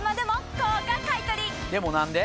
でも何で？